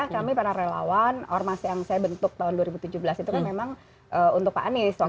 kami para relawan ormas yang saya bentuk tahun dua ribu tujuh belas itu kan memang untuk pak anies